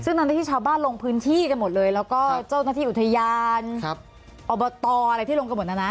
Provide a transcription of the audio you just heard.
ซึ่งตอนนี้ที่ชาวบ้านลงพื้นที่กันหมดเลยแล้วก็เจ้าหน้าที่อุทยานอบตอะไรที่ลงกันหมดนะนะ